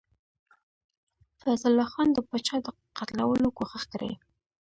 فیض الله خان د پاچا د قتلولو کوښښ کړی.